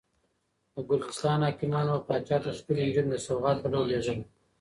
د ګرجستان حاکمانو به پاچا ته ښکلې نجونې د سوغات په ډول لېږلې.